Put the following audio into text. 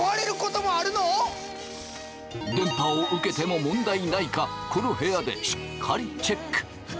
電波を受けても問題ないかこの部屋でしっかりチェック！